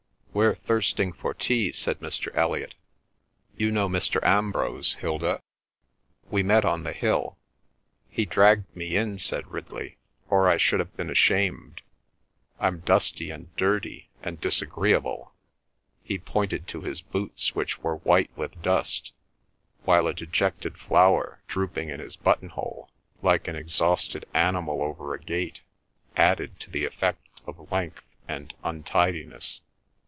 "We're thirsting for tea," said Mr. Elliot. "You know Mr. Ambrose, Hilda? We met on the hill." "He dragged me in," said Ridley, "or I should have been ashamed. I'm dusty and dirty and disagreeable." He pointed to his boots which were white with dust, while a dejected flower drooping in his buttonhole, like an exhausted animal over a gate, added to the effect of length and untidiness.